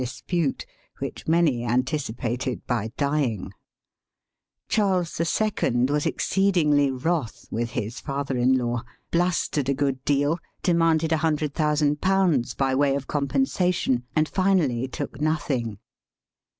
dispute, which many anticipated by dying. \ Charles II. was exceedingly wrath with his father in law, blustered a good deal, demanded \ jeiOOjOOO by way of compensation, and finally ■ took nothing.